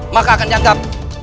maka akan dianggap